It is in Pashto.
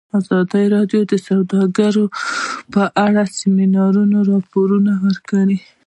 ازادي راډیو د سوداګري په اړه د سیمینارونو راپورونه ورکړي.